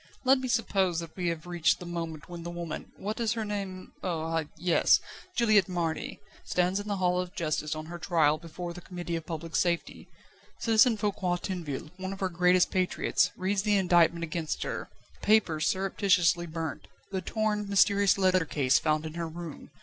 Let me suppose that we have reached the moment when the woman what is her name? Oh! ah! yes! Juliette Marny stands in the Hall of Justice on her trial before the Committee of Public Safety. Citizen Foucquier Tinville, one of our greatest patriots, reads the indictment against her: the papers surreptitiously burnt, the torn, mysterious letter case found in her room.